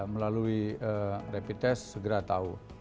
melalui rapid test segera tahu